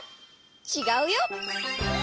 ちがうよ！